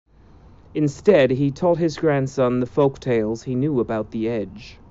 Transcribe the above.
Instead he taught his grandson the folk tales he knew about The Edge.